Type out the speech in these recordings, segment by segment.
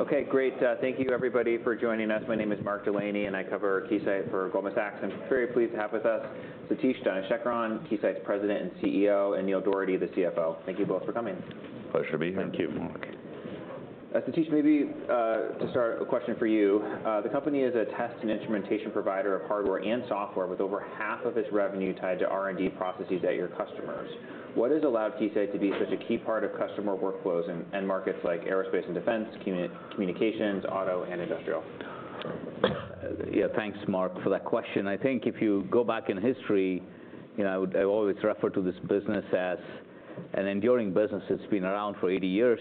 Okay, great. Thank you everybody for joining us. My name is Mark Delaney, and I cover Keysight for Goldman Sachs. I'm very pleased to have with us Satish Dhanasekaran, Keysight's President and CEO, and Neil Dougherty, the CFO. Thank you both for coming. Pleasure to be here. Thank you, Mark. Satish, maybe to start, a question for you. The company is a test and instrumentation provider of hardware and software with over half of its revenue tied to R&D processes at your customers. What has allowed Keysight to be such a key part of customer workflows in end markets like aerospace and defense, communications, auto, and industrial? Yeah, thanks, Mark, for that question. I think if you go back in history, you know, I always refer to this business as an enduring business. It's been around for 80-years,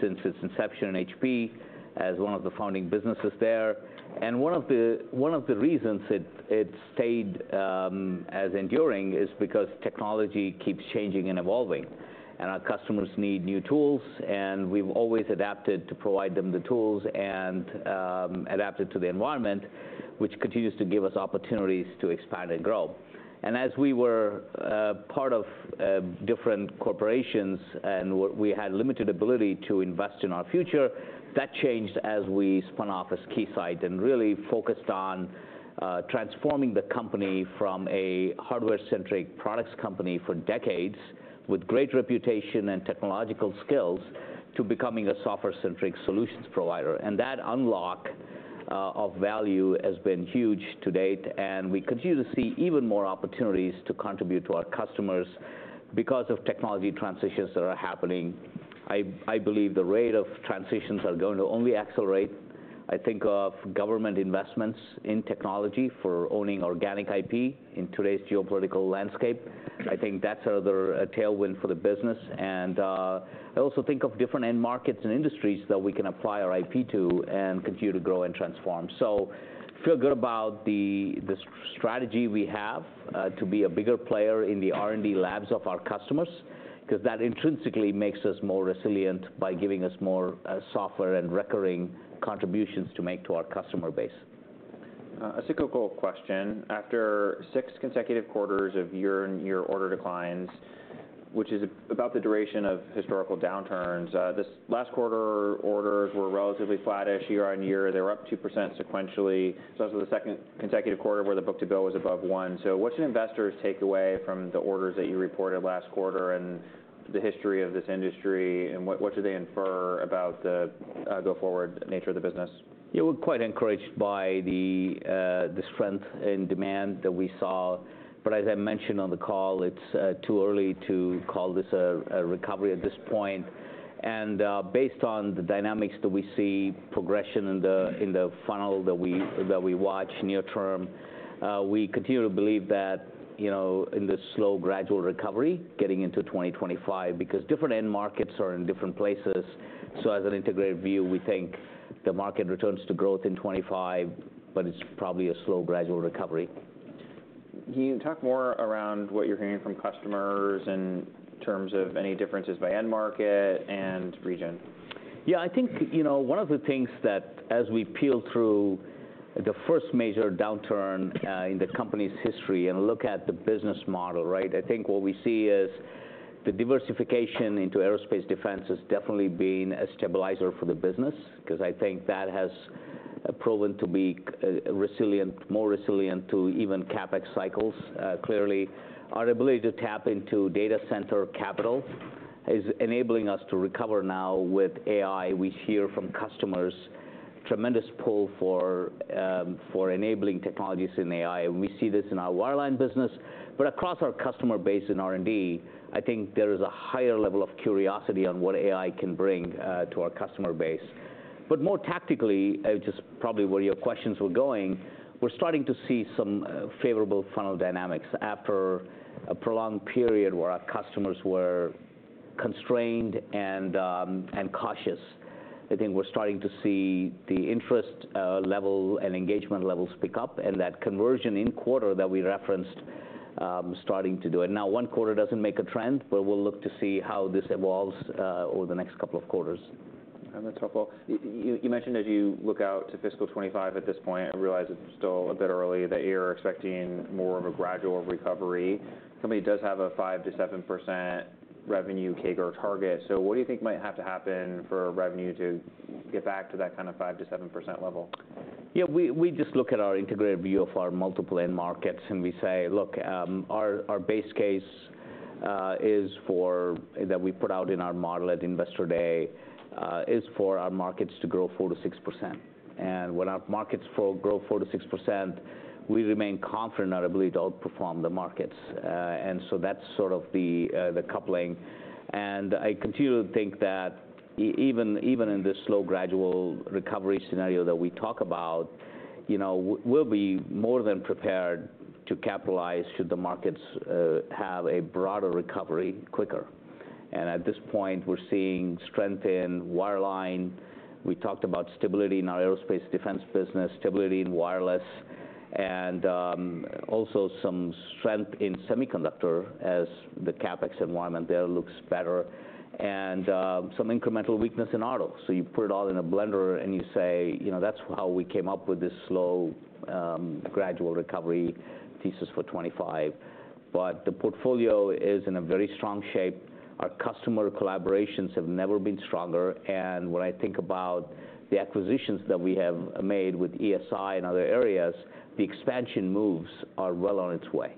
since its inception in HP, as one of the founding businesses there. And one of the reasons it stayed as enduring is because technology keeps changing and evolving, and our customers need new tools, and we've always adapted to provide them the tools and adapted to the environment, which continues to give us opportunities to expand and grow. As we were part of different corporations, and we had limited ability to invest in our future, that changed as we spun off as Keysight and really focused on transforming the company from a hardware-centric products company for decades, with great reputation and technological skills, to becoming a software-centric solutions provider. That unlock of value has been huge to date, and we continue to see even more opportunities to contribute to our customers because of technology transitions that are happening. I believe the rate of transitions are going to only accelerate. I think of government investments in technology for owning organic IP in today's geopolitical landscape. I think that's another, a tailwind for the business. I also think of different end markets and industries that we can apply our IP to and continue to grow and transform. So feel good about the strategy we have to be a bigger player in the R&D labs of our customers, 'cause that intrinsically makes us more resilient by giving us more software and recurring contributions to make to our customer base. A cyclical question: after six consecutive quarters of year-on-year order declines, which is about the duration of historical downturns, this last quarter, orders were relatively flat-ish year-on-year. They were up 2% sequentially. So that was the second consecutive quarter where the book-to-bill was above one. So what should investors take away from the orders that you reported last quarter and the history of this industry, and what, what should they infer about the, go-forward nature of the business? Yeah, we're quite encouraged by the strength in demand that we saw. But as I mentioned on the call, it's too early to call this a recovery at this point. And based on the dynamics that we see, progression in the funnel that we watch near term, we continue to believe that, you know, in this slow, gradual recovery, getting into 2025, because different end markets are in different places. So as an integrated view, we think the market returns to growth in 25, but it's probably a slow, gradual recovery. Can you talk more around what you're hearing from customers in terms of any differences by end market and region? Yeah, I think, you know, one of the things that as we peel through the first major downturn in the company's history and look at the business model, right? I think what we see is the diversification into aerospace defense has definitely been a stabilizer for the business, 'cause I think that has proven to be resilient - more resilient to even CapEx cycles. Clearly, our ability to tap into data center capital is enabling us to recover now with AI. We hear from customers tremendous pull for enabling technologies in AI, and we see this in our wireline business. But across our customer base in R&D, I think there is a higher level of curiosity on what AI can bring to our customer base. But more tactically, just probably where your questions were going, we're starting to see some favorable funnel dynamics after a prolonged period where our customers were constrained and cautious. I think we're starting to see the interest level and engagement levels pick up, and that conversion in quarter that we referenced starting to do. And now, one quarter doesn't make a trend, but we'll look to see how this evolves over the next couple of quarters. On top of all, you mentioned as you look out to fiscal 2025 at this point, I realize it's still a bit early, that you're expecting more of a gradual recovery. Company does have a 5%-7% revenue CAGR target. So what do you think might have to happen for revenue to get back to that kind of 5%-7% level? Yeah, we just look at our integrated view of our multiple end markets, and we say, "Look, our base case is for that we put out in our model at Investor Day is for our markets to grow 4%-6%." And when our markets grow 4%-6%, we remain confident in our ability to outperform the markets. And so that's sort of the coupling. And I continue to think that even in this slow, gradual recovery scenario that we talk about, you know, we'll be more than prepared to capitalize should the markets have a broader recovery quicker. And at this point, we're seeing strength in wireline. We talked about stability in our aerospace defense business, stability in wireless, and also some strength in semiconductor as the CapEx environment there looks better, and some incremental weakness in auto. So you put it all in a blender, and you say, "You know, that's how we came up with this slow, gradual recovery thesis for 25." But the portfolio is in a very strong shape. Our customer collaborations have never been stronger, and when I think about the acquisitions that we have made with ESI and other areas, the expansion moves are well on its way.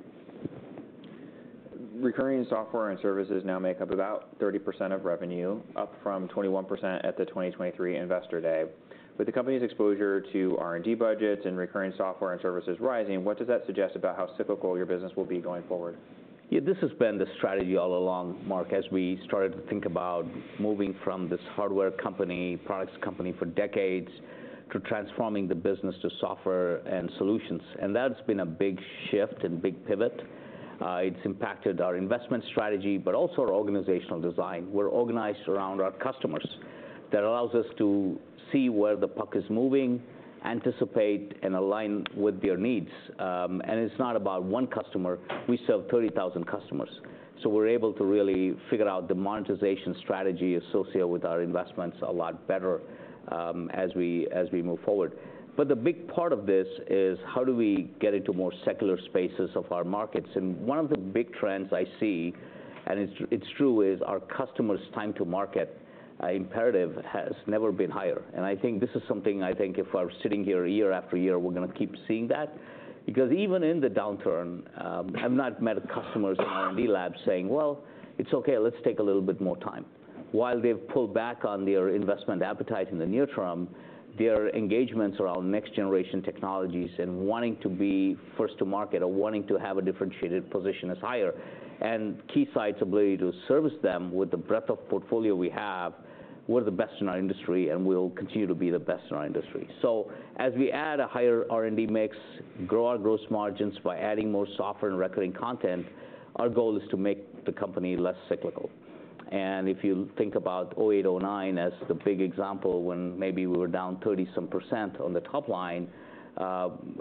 Recurring software and services now make up about 30% of revenue, up from 21% at the 2023 Investor Day. With the company's exposure to R&D budgets and recurring software and services rising, what does that suggest about how cyclical your business will be going forward? Yeah, this has been the strategy all along, Mark, as we started to think about moving from this hardware company, products company for decades, to transforming the business to software and solutions, and that's been a big shift and big pivot. It's impacted our investment strategy, but also our organizational design. We're organized around our customers. That allows us to see where the puck is moving, anticipate, and align with their needs, and it's not about one customer. We serve thirty thousand customers. So we're able to really figure out the monetization strategy associated with our investments a lot better, as we move forward, but the big part of this is how do we get into more secular spaces of our markets? One of the big trends I see, and it's true, is our customers' time to market imperative has never been higher, and I think this is something if we're sitting here year after year, we're gonna keep seeing that. Because even in the downturn, I've not met customers in R&D labs saying, "Well, it's okay. Let's take a little bit more time." While they've pulled back on their investment appetite in the near term, their engagements around next generation technologies and wanting to be first to market or wanting to have a differentiated position is higher. And Keysight's ability to service them with the breadth of portfolio we have, we're the best in our industry and will continue to be the best in our industry. So as we add a higher R&D mix, grow our gross margins by adding more software and recurring content, our goal is to make the company less cyclical. And if you think about 2008, 2009 as the big example, when maybe we were down 30-some% on the top line,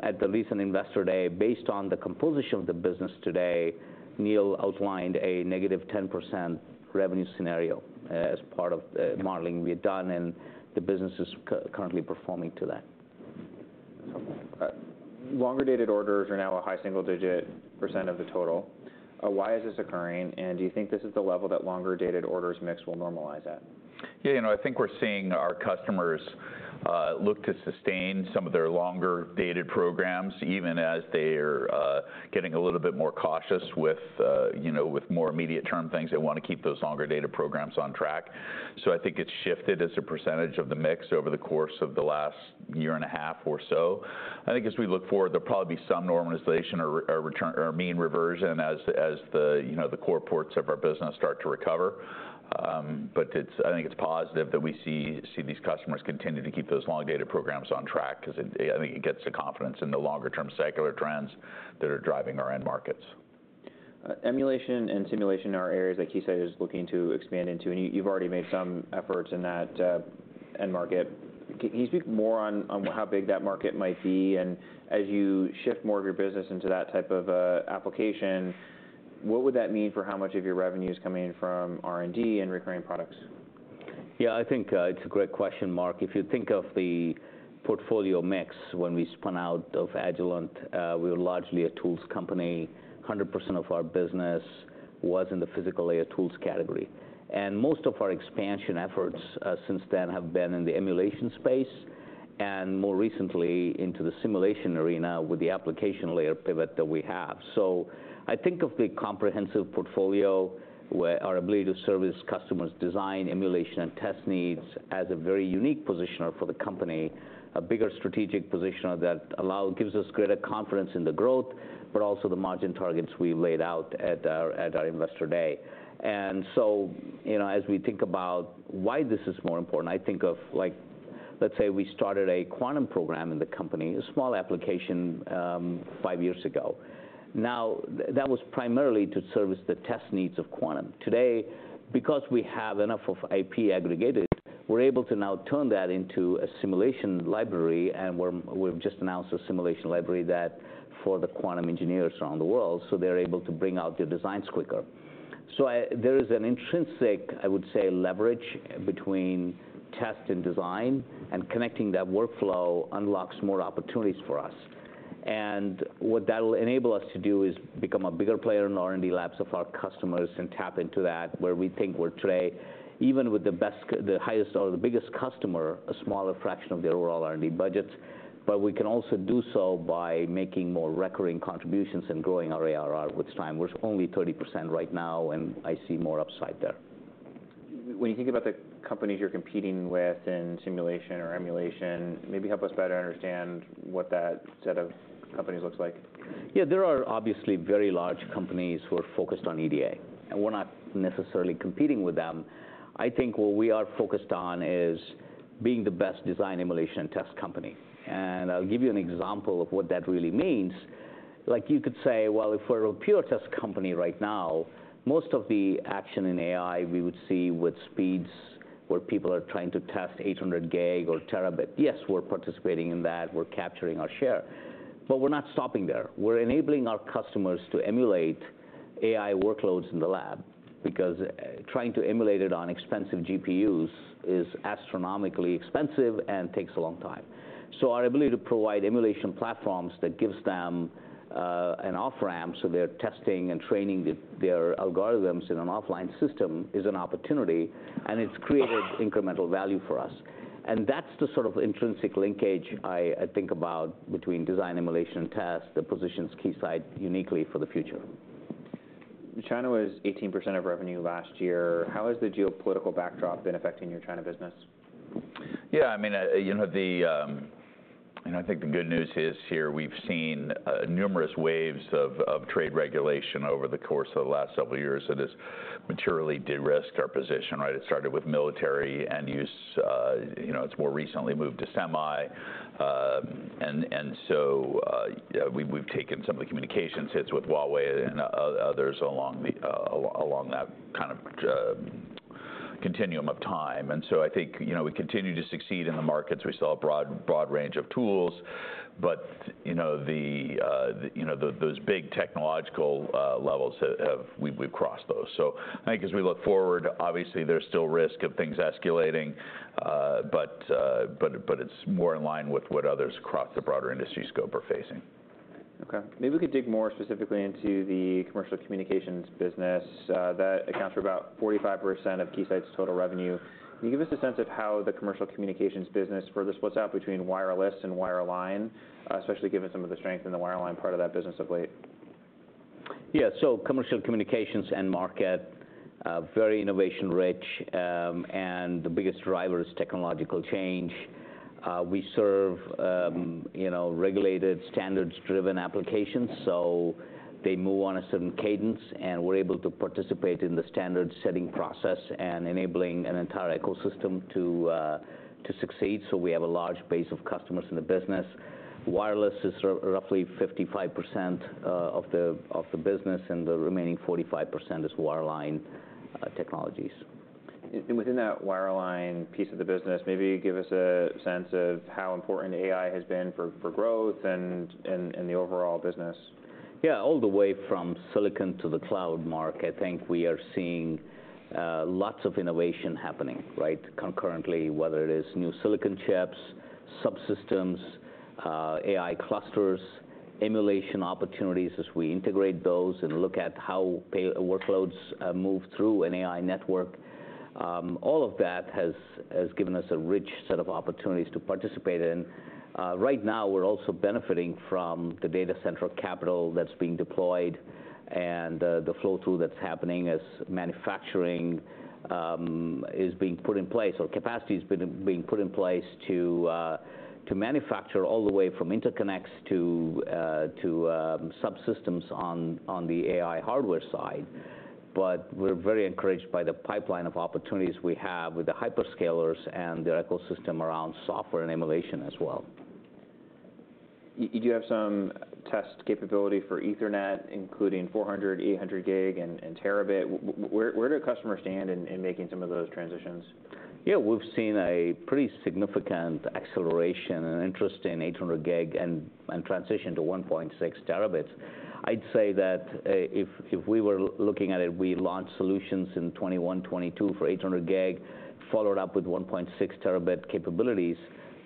at the recent Investor Day, based on the composition of the business today, Neil outlined a negative 10% revenue scenario as part of the modeling we had done, and the business is currently performing to that. Longer-dated orders are now a high single-digit % of the total. Why is this occurring, and do you think this is the level that longer-dated orders mix will normalize at? Yeah, you know, I think we're seeing our customers look to sustain some of their longer-dated programs, even as they're getting a little bit more cautious with, you know, with more immediate-term things. They want to keep those longer-dated programs on track. So I think it's shifted as a percentage of the mix over the course of the last year and a half or so. I think as we look forward, there'll probably be some normalization or return to mean reversion as the, you know, the core parts of our business start to recover. But it's. I think it's positive that we see these customers continue to keep those long-dated programs on track, 'cause it, I think it gives the confidence in the longer-term secular trends that are driving our end markets. Emulation and simulation are areas that Keysight is looking to expand into, and you, you've already made some efforts in that end market. Can you speak more on how big that market might be? And as you shift more of your business into that type of application, what would that mean for how much of your revenue is coming in from R&D and recurring products? Yeah, I think it's a great question, Mark. If you think of the portfolio mix when we spun out of Agilent, we were largely a tools company. 100% of our business was in the physical layer tools category, and most of our expansion efforts since then have been in the emulation space, and more recently, into the simulation arena with the application layer pivot that we have. So I think of the comprehensive portfolio, where our ability to service customers' design, emulation, and test needs, as a very unique positioner for the company, a bigger strategic positioner that gives us greater confidence in the growth, but also the margin targets we laid out at our Investor Day. And so, you know, as we think about why this is more important, I think of, like, let's say we started a quantum program in the company, a small application, five years ago. Now, that was primarily to service the test needs of quantum. Today, because we have enough of IP aggregated, we're able to now turn that into a simulation library, and we've just announced a simulation library that for the quantum engineers around the world, so they're able to bring out their designs quicker. So, there is an intrinsic, I would say, leverage between test and design, and connecting that workflow unlocks more opportunities for us. What that will enable us to do is become a bigger player in the R&D labs of our customers and tap into that, where we think we're today, even with the best, the highest or the biggest customer, a smaller fraction of their overall R&D budgets. We can also do so by making more recurring contributions and growing our ARR with time. We're only 30% right now, and I see more upside there. When you think about the companies you're competing with in simulation or emulation, maybe help us better understand what that set of companies looks like. Yeah, there are obviously very large companies who are focused on EDA, and we're not necessarily competing with them. I think what we are focused on is being the best design emulation test company, and I'll give you an example of what that really means. Like you could say, well, if we're a pure test company right now, most of the action in AI we would see with speeds, where people are trying to test 800 gig or terabit. Yes, we're participating in that. We're capturing our share, but we're not stopping there. We're enabling our customers to emulate AI workloads in the lab, because trying to emulate it on expensive GPUs is astronomically expensive and takes a long time. So our ability to provide emulation platforms that gives them an off-ramp, so they're testing and training their algorithms in an offline system, is an opportunity, and it's created incremental value for us. And that's the sort of intrinsic linkage I think about between design emulation and test, that positions Keysight uniquely for the future.... China was 18% of revenue last year. How has the geopolitical backdrop been affecting your China business? Yeah, I mean, you know, the, and I think the good news is here we've seen numerous waves of trade regulation over the course of the last several years that has materially de-risked our position, right? It started with military end use, you know, it's more recently moved to semi. And so, we've taken some of the communications hits with Huawei and others along that kind of continuum of time. And so I think, you know, we continue to succeed in the markets. We sell a broad, broad range of tools, but, you know, the, you know, those big technological levels have we've crossed those. So I think as we look forward, obviously there's still risk of things escalating, but it's more in line with what others across the broader industry scope are facing. Okay. Maybe we could dig more specifically into the commercial communications business, that accounts for about 45% of Keysight's total revenue. Can you give us a sense of how the commercial communications business further splits out between wireless and wireline, especially given some of the strength in the wireline part of that business of late? Yeah. So commercial communications end market, very innovation rich, and the biggest driver is technological change. We serve, you know, regulated, standards-driven applications, so they move on a certain cadence, and we're able to participate in the standard-setting process and enabling an entire ecosystem to succeed. So we have a large base of customers in the business. wireless is roughly 55% of the business, and the remaining 45% is wireline technologies. Within that wireline piece of the business, maybe give us a sense of how important AI has been for growth and the overall business. Yeah. All the way from silicon to the cloud, Mark, I think we are seeing lots of innovation happening, right? Concurrently, whether it is new silicon chips, subsystems, AI clusters, emulation opportunities, as we integrate those and look at how AI workloads move through an AI network. All of that has given us a rich set of opportunities to participate in. Right now, we're also benefiting from the data center capital that's being deployed and the flow-through that's happening as manufacturing is being put in place, or capacity is being put in place to manufacture all the way from interconnects to subsystems on the AI hardware side. But we're very encouraged by the pipeline of opportunities we have with the hyperscalers and the ecosystem around software and emulation as well. You do have some test capability for Ethernet, including 400, 800 gig and terabit. Where do customers stand in making some of those transitions? Yeah, we've seen a pretty significant acceleration and interest in 800 gig and transition to 1.6 terabits. I'd say that if we were looking at it, we launched solutions in 2021, 2022 for 800 gig, followed up with 1.6 terabit capabilities.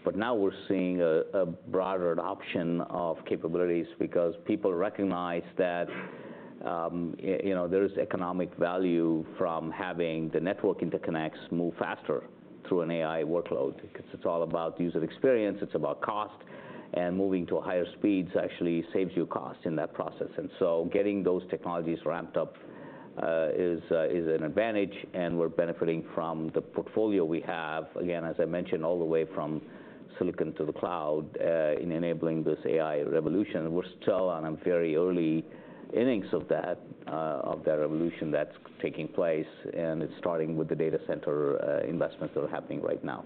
But now we're seeing a broader adoption of capabilities because people recognize that you know, there is economic value from having the network interconnects move faster through an AI workload. Because it's all about user experience, it's about cost, and moving to higher speeds actually saves you cost in that process. And so getting those technologies ramped up is an advantage, and we're benefiting from the portfolio we have, again, as I mentioned, all the way from silicon to the cloud in enabling this AI revolution. We're still on a very early innings of that revolution that's taking place, and it's starting with the data center investments that are happening right now.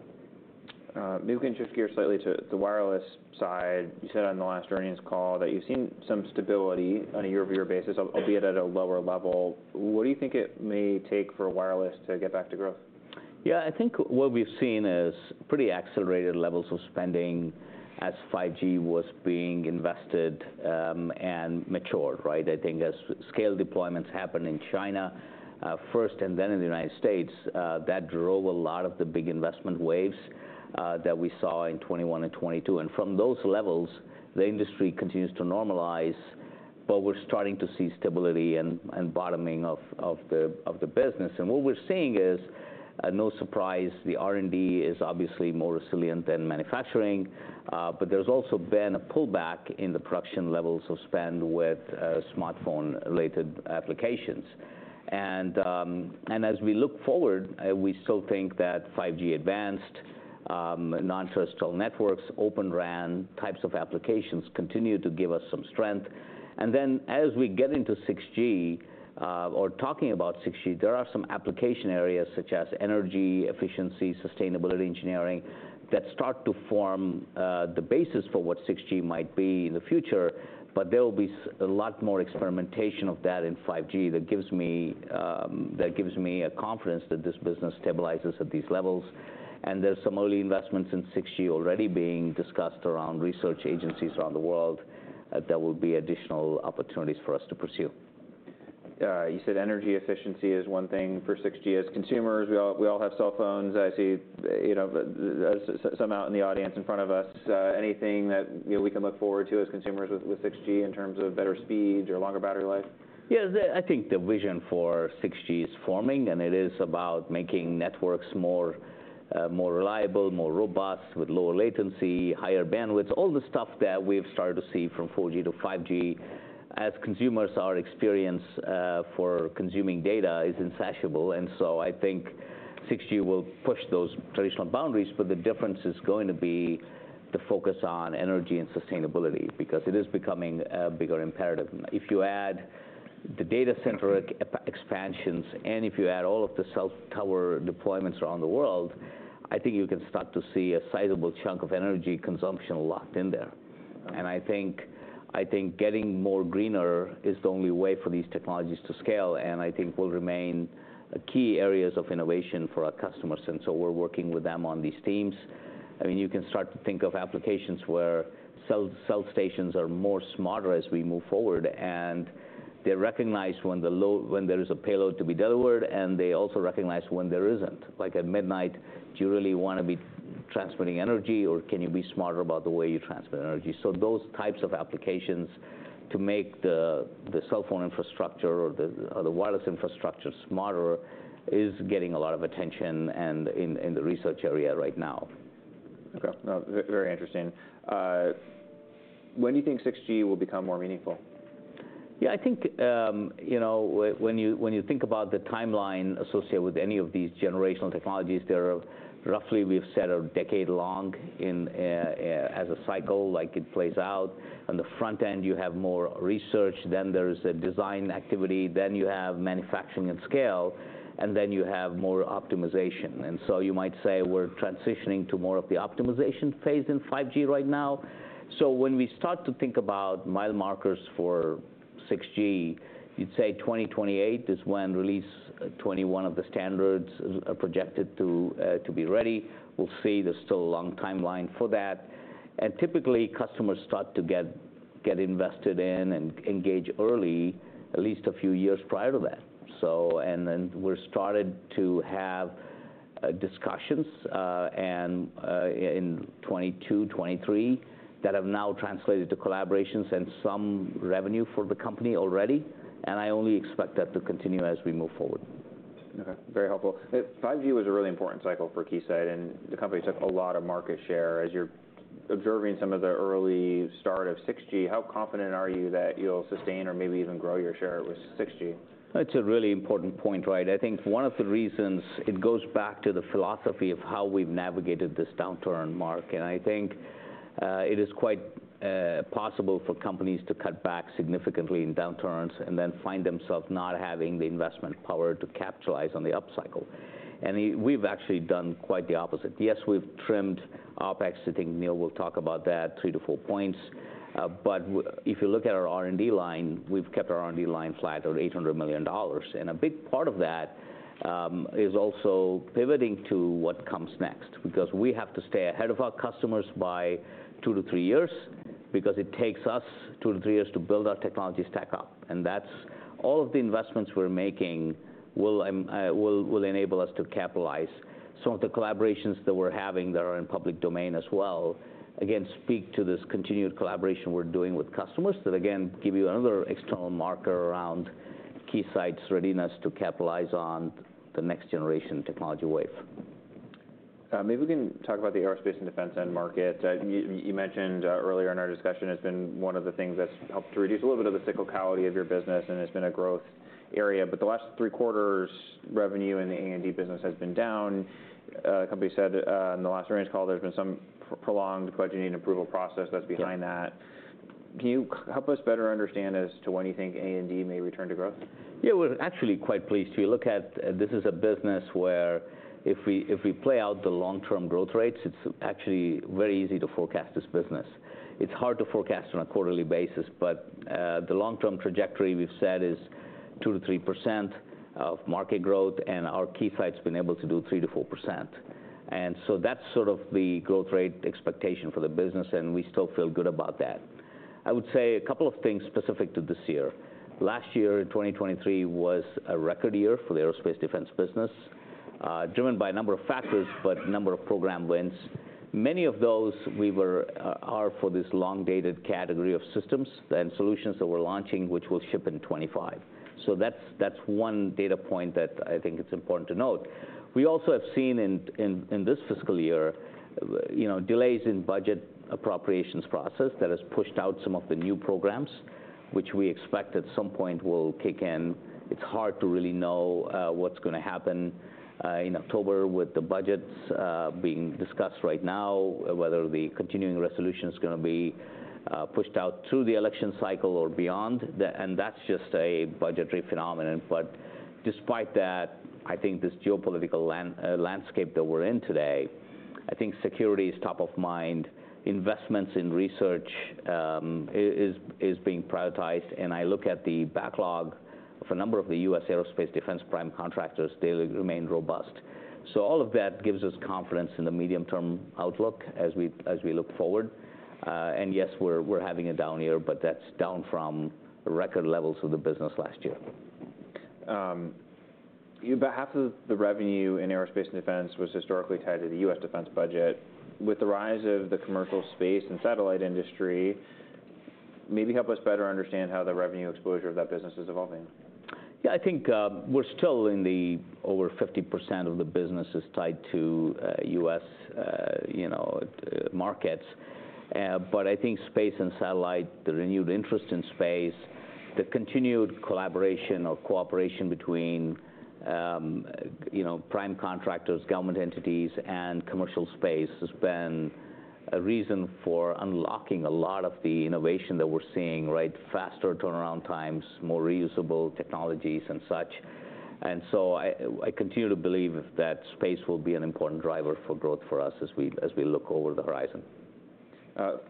Maybe we can just gear slightly to the wireless side. You said on the last earnings call that you've seen some stability on a year-over-year basis, albeit at a lower level. What do you think it may take for wireless to get back to growth? Yeah, I think what we've seen is pretty accelerated levels of spending as 5G was being invested, and matured, right? I think as scale deployments happened in China first and then in the United States, that drove a lot of the big investment waves that we saw in 2021 and 2022. And from those levels, the industry continues to normalize, but we're starting to see stability and bottoming of the business. And what we're seeing is no surprise, the R&D is obviously more resilient than manufacturing, but there's also been a pullback in the production levels of spend with smartphone-related applications. And as we look forward, we still think that 5G Advanced, non-terrestrial networks, Open RAN types of applications continue to give us some strength. And then as we get into 6G, or talking about 6G, there are some application areas, such as energy efficiency, sustainability engineering, that start to form, the basis for what 6G might be in the future. But there will be a lot more experimentation of that in 5G that gives me a confidence that this business stabilizes at these levels. And there's some early investments in 6G already being discussed around research agencies around the world, that will be additional opportunities for us to pursue. You said energy efficiency is one thing for 6G. As consumers, we all have cell phones. I see, you know, some out in the audience in front of us. Anything that, you know, we can look forward to as consumers with 6G in terms of better speed or longer battery life? Yeah, I think the vision for 6G is forming, and it is about making networks more, more reliable, more robust, with lower latency, higher bandwidths, all the stuff that we've started to see from 4G to 5G. As consumers, our experience for consuming data is insatiable, and so I think 6G will push those traditional boundaries, but the difference is going to be the focus on energy and sustainability, because it is becoming a bigger imperative. If you add the data center expansions, and if you add all of the cell tower deployments around the world, I think you can start to see a sizable chunk of energy consumption locked in there. I think getting more greener is the only way for these technologies to scale, and I think it will remain a key area of innovation for our customers, and so we're working with them on these teams. I mean, you can start to think of applications where cell stations are more smarter as we move forward, and they recognize when there is a payload to be delivered, and they also recognize when there isn't. Like, at midnight, do you really want to be transmitting energy, or can you be smarter about the way you transmit energy? So those types of applications to make the cell phone infrastructure or the wireless infrastructure smarter is getting a lot of attention in the research area right now. Okay. Very interesting. When do you think 6G will become more meaningful? Yeah, I think, you know, when you think about the timeline associated with any of these generational technologies, they're roughly we've said, a decade long in, as a cycle, like it plays out. On the front end, you have more research, then there's a design activity, then you have manufacturing at scale, and then you have more optimization. And so you might say, we're transitioning to more of the optimization phase in 5G right now. So when we start to think about mile markers for 6G, you'd say 2028 is when Release 21 of the standards are projected to, to be ready. We'll see. There's still a long timeline for that. And typically, customers start to get invested in and engage early, at least a few years prior to that. So and then we're started to have discussions and in 2022, 2023, that have now translated to collaborations and some revenue for the company already, and I only expect that to continue as we move forward. Okay, very helpful. 5G was a really important cycle for Keysight, and the company took a lot of market share. As you're observing some of the early start of 6G, how confident are you that you'll sustain or maybe even grow your share with 6G? It's a really important point, right? I think one of the reasons, it goes back to the philosophy of how we've navigated this downturn, Mark, and I think, it is quite, possible for companies to cut back significantly in downturns, and then find themselves not having the investment power to capitalize on the upcycle. And we've actually done quite the opposite. Yes, we've trimmed OpEx, I think Neil will talk about that, three to four points. But if you look at our R&D line, we've kept our R&D line flat at $800 million. And a big part of that is also pivoting to what comes next, because we have to stay ahead of our customers by 2 - 3 years, because it takes us 2 - 3 years to build our technology stack up, and that's all of the investments we're making will enable us to capitalize. Some of the collaborations that we're having that are in public domain as well, again, speak to this continued collaboration we're doing with customers, that again, give you another external marker around Keysight's readiness to capitalize on the next generation technology wave. Maybe we can talk about the aerospace and defense end market. You mentioned earlier in our discussion, it's been one of the things that's helped to reduce a little bit of the cyclicality of your business, and it's been a growth area. But the last three quarters, revenue in the A&D business has been down. Company said in the last earnings call, there's been some prolonged budgeting approval process that's behind that. Yeah. Can you help us better understand as to when you think A&D may return to growth? Yeah, we're actually quite pleased. If you look at... This is a business where if we, if we play out the long-term growth rates, it's actually very easy to forecast this business. It's hard to forecast on a quarterly basis, but the long-term trajectory we've said is 2%-3% of market growth, and Keysight's been able to do 3%-4%. And so that's sort of the growth rate expectation for the business, and we still feel good about that. I would say a couple of things specific to this year. Last year, 2023, was a record year for the aerospace defense business, driven by a number of factors, but a number of program wins. Many of those are for this long-dated category of systems and solutions that we're launching, which will ship in 2025. So that's one data point that I think it's important to note. We also have seen in this fiscal year, you know, delays in budget appropriations process that has pushed out some of the new programs, which we expect at some point will kick in. It's hard to really know what's gonna happen in October with the budgets being discussed right now, whether the continuing resolution is gonna be pushed out through the election cycle or beyond. And that's just a budgetary phenomenon. But despite that, I think this geopolitical landscape that we're in today, I think security is top of mind, investments in research is being prioritized, and I look at the backlog for a number of the U.S. aerospace defense prime contractors, they remain robust. All of that gives us confidence in the medium-term outlook as we look forward. And yes, we're having a down year, but that's down from record levels of the business last year. About half of the revenue in aerospace and defense was historically tied to the U.S. defense budget. With the rise of the commercial space and satellite industry, maybe help us better understand how the revenue exposure of that business is evolving. Yeah, I think, we're still in the over 50% of the business is tied to, U.S., you know, markets, but I think space and satellite, the renewed interest in space, the continued collaboration or cooperation between, you know, prime contractors, government entities, and commercial space, has been a reason for unlocking a lot of the innovation that we're seeing, right? Faster turnaround times, more reusable technologies, and such. And so I continue to believe that space will be an important driver for growth for us as we look over the horizon.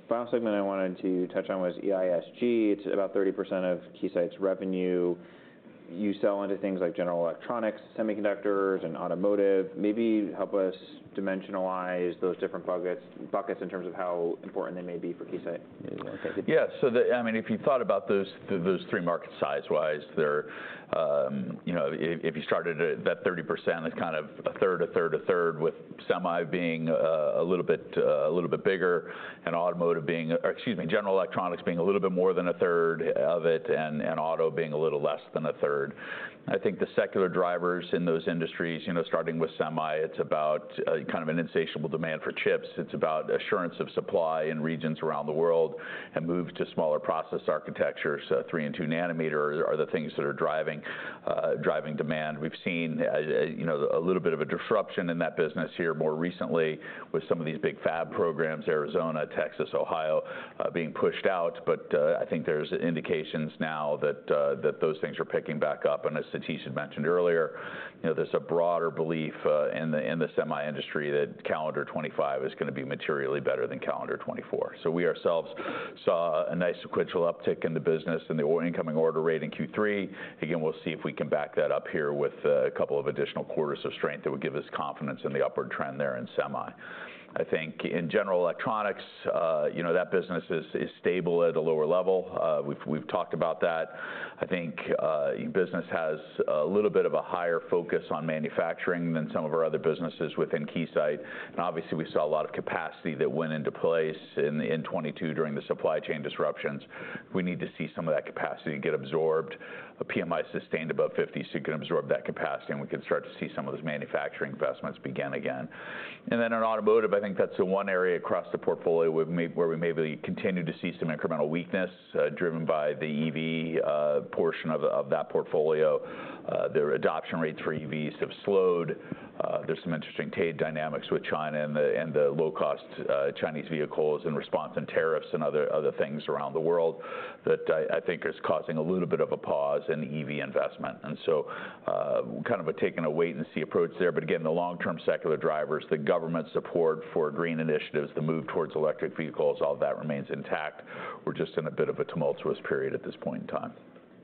Final segment I wanted to touch on was EISG. It's about 30% of Keysight's revenue. You sell into things like general electronics, semiconductors, and automotive. Maybe help us dimensionalize those different buckets, buckets in terms of how important they may be for Keysight, if you want to take it. Yeah. So I mean, if you thought about those three market size-wise, they're, you know, if you started at that 30%, that's kind of a third, a third, a third, with semi being a little bit bigger, and automotive being, or excuse me, general electronics being a little bit more than a third of it, and auto being a little less than a third. I think the secular drivers in those industries, you know, starting with semi, it's about kind of an insatiable demand for chips. It's about assurance of supply in regions around the world, and move to smaller process architectures, so three and two nanometers are the things that are driving demand. We've seen, you know, a little bit of a disruption in that business here more recently with some of these big fab programs, Arizona, Texas, Ohio, being pushed out. But, I think there's indications now that that those things are picking back up, and as Satish had mentioned earlier, you know, there's a broader belief in the, in the semi industry that calendar 2025 is gonna be materially better than calendar 2024. So we ourselves saw a nice sequential uptick in the business in our incoming order rate in Q3. Again, we'll see if we can back that up here with a couple of additional quarters of strength that would give us confidence in the upward trend there in semi. I think in general electronics, you know, that business is, is stable at a lower level. We've, we've talked about that. I think business has a little bit of a higher focus on manufacturing than some of our other businesses within Keysight. Obviously, we saw a lot of capacity that went into place in 2022 during the supply chain disruptions. We need to see some of that capacity get absorbed, a PMI sustained above 50, so you can absorb that capacity, and we can start to see some of those manufacturing investments begin again. Then in automotive, I think that's the one area across the portfolio where we may continue to see some incremental weakness, driven by the EV portion of that portfolio. Their adoption rate for EVs have slowed. There's some interesting trade dynamics with China and the low-cost Chinese vehicles in response and tariffs and other things around the world, that I think is causing a little bit of a pause in the EV investment. And so, kind of taking a wait and see approach there. But again, the long-term secular drivers, the government support for green initiatives, the move towards electric vehicles, all that remains intact. We're just in a bit of a tumultuous period at this point in time.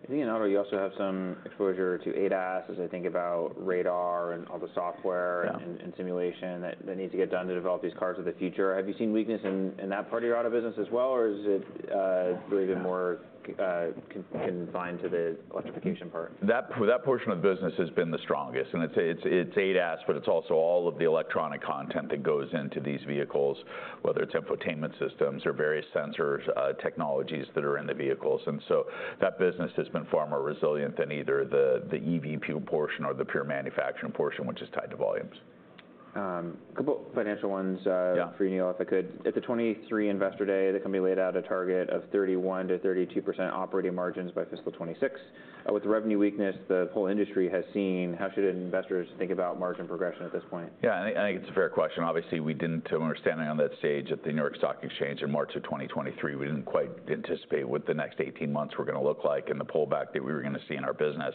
I think in auto, you also have some exposure to ADAS, as I think about radar and all the software. Yeah... and simulation that needs to get done to develop these cars of the future. Have you seen weakness in that part of your auto business as well, or is it really been more confined to the electrification part? That portion of business has been the strongest, and it's ADAS, but it's also all of the electronic content that goes into these vehicles, whether it's infotainment systems or various sensors, technologies that are in the vehicles. And so that business has been far more resilient than either the EV pure portion or the pure manufacturing portion, which is tied to volumes. Couple of financial ones, Yeah... for you, Neil, if I could. At the 2023 Investor Day, the company laid out a target of 31%-32% operating margins by fiscal 2026. With the revenue weakness the whole industry has seen, how should investors think about margin progression at this point? Yeah, I think, I think it's a fair question. Obviously, we didn't, when we were standing on that stage at the New York Stock Exchange in March of 2023, we didn't quite anticipate what the next 18 months were gonna look like and the pullback that we were gonna see in our business.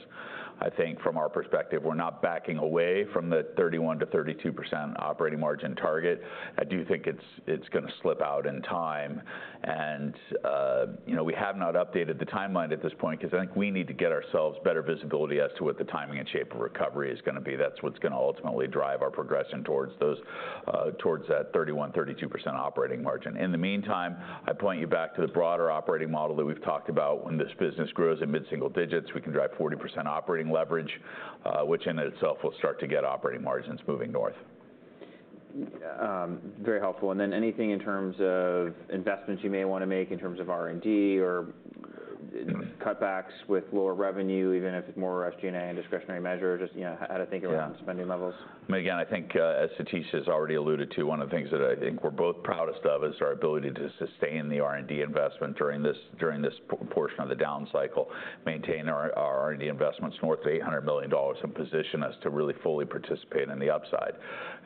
I think from our perspective, we're not backing away from the 31%-32% operating margin target. I do think it's gonna slip out in time, and you know, we have not updated the timeline at this point, because I think we need to get ourselves better visibility as to what the timing and shape of recovery is gonna be. That's what's gonna ultimately drive our progression towards those, towards that 31%-32% operating margin. In the meantime, I point you back to the broader operating model that we've talked about. When this business grows in mid-single digits, we can drive 40% operating leverage, which in itself will start to get operating margins moving north. Very helpful. And then anything in terms of investments you may want to make in terms of R&D or- Mm ... cutbacks with lower revenue, even if it's more SG&A and discretionary measure, just, you know, how to think around spending levels? Yeah. Again, I think, as Satish has already alluded to, one of the things that I think we're both proudest of is our ability to sustain the R&D investment during this portion of the down cycle, maintain our R&D investments north of $800 million, and position us to really fully participate in the upside.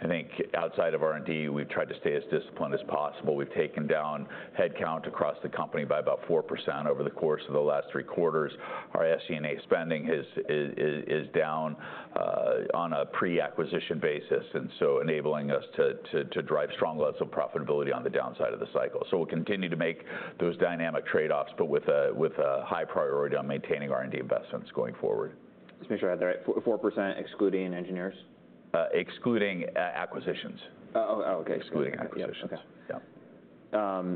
I think outside of R&D, we've tried to stay as disciplined as possible. We've taken down headcount across the company by about 4% over the course of the last three quarters. Our SG&A spending is down on a pre-acquisition basis, and so enabling us to drive strong levels of profitability on the downside of the cycle. So we'll continue to make those dynamic trade-offs, but with a high priority on maintaining R&D investments going forward. Just make sure I have that right, 4% excluding engineers? Excluding acquisitions. Oh, oh, okay. Excluding acquisitions. Yep. Okay. Yeah.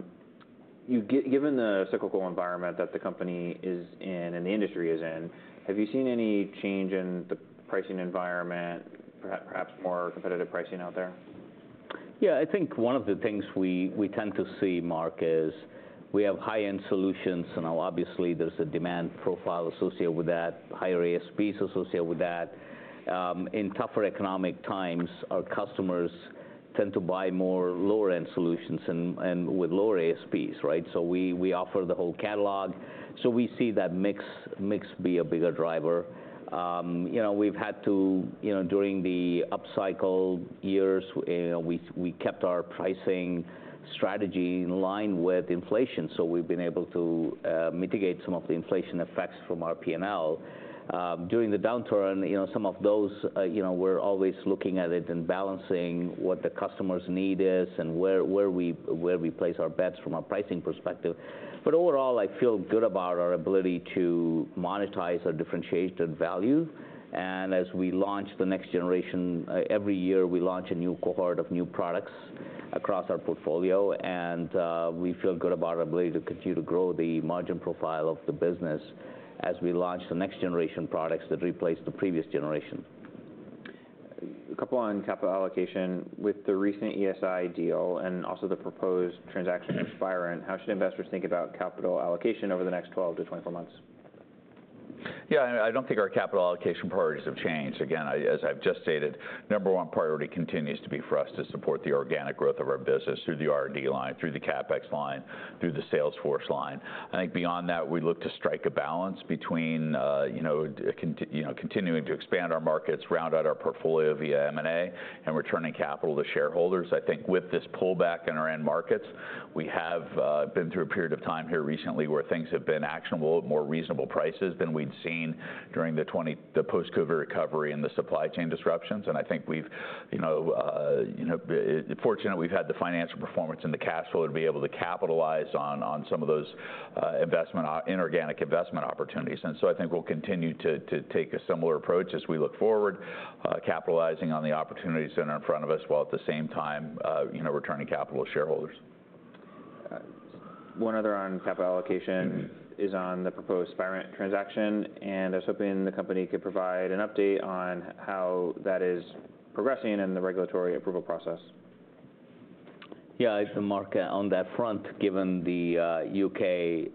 Given the cyclical environment that the company is in, and the industry is in, have you seen any change in the pricing environment, perhaps more competitive pricing out there? Yeah, I think one of the things we tend to see, Mark, is we have high-end solutions, and now obviously there's a demand profile associated with that, higher ASPs associated with that. In tougher economic times, our customers tend to buy more lower-end solutions and with lower ASPs, right? So we offer the whole catalog. So we see that mix be a bigger driver. You know, we've had to, you know, during the upcycle years, we kept our pricing strategy in line with inflation, so we've been able to mitigate some of the inflation effects from our P&L. During the downturn, you know, some of those, you know, we're always looking at it and balancing what the customer's need is and where we place our bets from a pricing perspective. But overall, I feel good about our ability to monetize our differentiated value. And as we launch the next generation every year, we launch a new cohort of new products across our portfolio, and we feel good about our ability to continue to grow the margin profile of the business as we launch the next generation products that replace the previous generation. A couple on capital allocation. With the recent ESI deal and also the proposed transaction with Spirent, how should investors think about capital allocation over the next 12 - 24 months? Yeah, I don't think our capital allocation priorities have changed. Again, as I've just stated, number one priority continues to be for us to support the organic growth of our business through the R&D line, through the CapEx line, through the sales force line. I think beyond that, we look to strike a balance between, you know, continuing to expand our markets, round out our portfolio via M&A, and returning capital to shareholders. I think with this pullback in our end markets, we have been through a period of time here recently where things have been actionable at more reasonable prices than we'd seen during the post-COVID recovery and the supply chain disruptions. I think we've been fortunate we've had the financial performance and the cash flow to be able to capitalize on some of those inorganic investment opportunities. So I think we'll continue to take a similar approach as we look forward, capitalizing on the opportunities that are in front of us, while at the same time, you know, returning capital to shareholders. One other on capital allocation is on the proposed Spirent transaction, and I was hoping the company could provide an update on how that is progressing in the regulatory approval process. Yeah, it's Mark. On that front, given the U.K.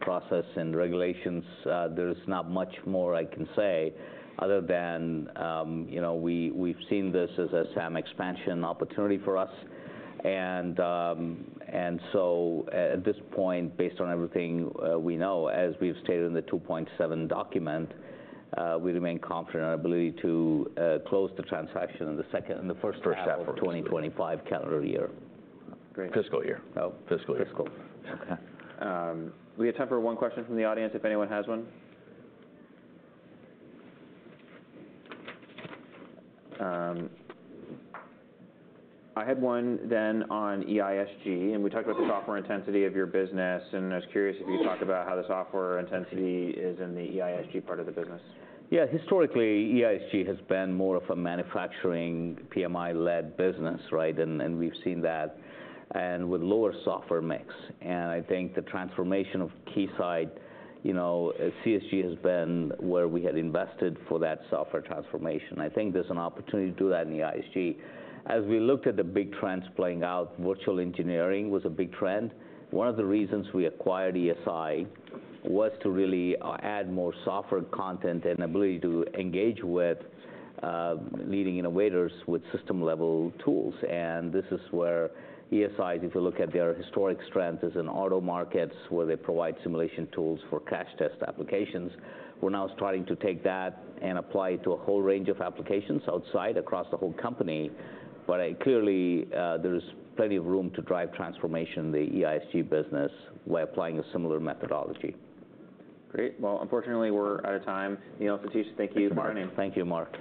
process and regulations, there is not much more I can say other than, you know, we, we've seen this as a SAM expansion opportunity for us. And so at this point, based on everything we know, as we've stated in the 2.7 document, we remain confident in our ability to close the transaction in the second, in the first half- First half... of 2025 calendar year. Great. Fiscal year. Oh! FY. Fiscal. We have time for one question from the audience, if anyone has one. I had one then on EISG, and we talked about the software intensity of your business, and I was curious if you could talk about how the software intensity is in the EISG part of the business. Yeah. Historically, EISG has been more of a manufacturing PMI-led business, right? And we've seen that, and with lower software mix. And I think the transformation of Keysight, you know, CSG has been where we had invested for that software transformation. I think there's an opportunity to do that in the EISG. As we looked at the big trends playing out, virtual engineering was a big trend. One of the reasons we acquired ESI was to really add more software content and ability to engage with leading innovators with system-level tools, and this is where ESI, if you look at their historic strengths, is in auto markets, where they provide simulation tools for crash test applications. We're now starting to take that and apply it to a whole range of applications outside, across the whole company. But clearly, there is plenty of room to drive transformation in the EISG business by applying a similar methodology. Great. Well, unfortunately, we're out of time. Neil, Satish, thank you for coming. Thank you, Mark.